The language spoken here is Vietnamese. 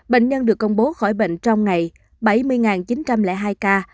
bệnh nhân được công bố khỏi bệnh trong ngày bảy mươi chín trăm linh hai ca